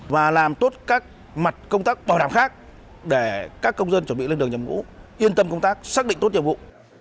và làm tốt các mặt công tác bảo đảm khác để các công dân chuẩn bị lên đường nhập ngũ yên tâm công tác xác định tốt nhiệm vụ